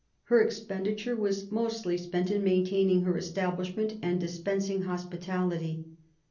Her expenditure was mostly spent in maintaining her establishment and dispensing hospit ality.